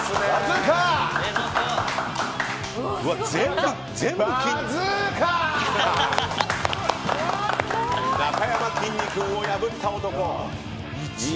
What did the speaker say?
なかやまきんに君を破った男。